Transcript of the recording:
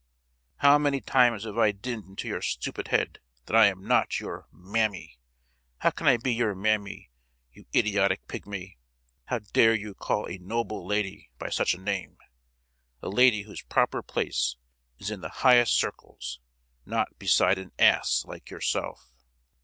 "How many times have I dinned into your stupid head that I am not your 'mammy.' How can I be your mammy, you idiotic pigmy? How dare you call a noble lady by such a name; a lady whose proper place is in the highest circles, not beside an ass like yourself!"